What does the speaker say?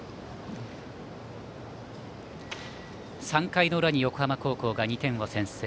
３回裏に横浜高校が２点先制。